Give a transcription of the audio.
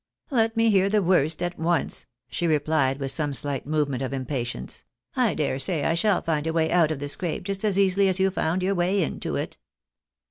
" Let me hear the worst at once," she repUed with some slight movement of impatience ;" I dare say I shall find a way out of the scrape just as easily as you found your way into it."